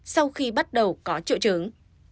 sau khi bắt đầu có triệu chứng